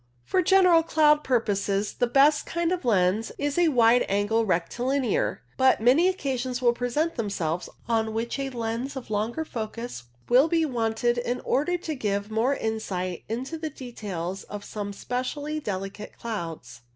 For general cloud purposes the best kind of lens is a wide angle rectilinear, but many occasions will present themselves on which a lens of longer focus will be wanted in order to give more insight into the details of some specially delicate clouds.